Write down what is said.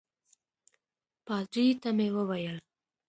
پادري ته مې وویل.